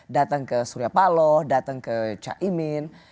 datang ke surya paloh datang ke caimin